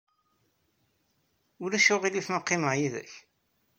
Ulac aɣilif ma qqimeɣ yid-k?